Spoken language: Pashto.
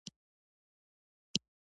پر لاس یې وټکولم او راته په مینه مسکی شول.